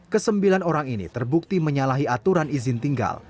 ke sembilan orang ini terbukti menyalahi aturan izin tinggal